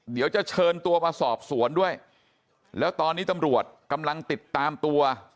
เดี๋ยวจะเชิญตัวมาสอบสวนด้วยแล้วตอนนี้ตำรวจกำลังติดตามตัว